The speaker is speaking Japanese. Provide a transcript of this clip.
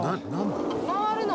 回るの？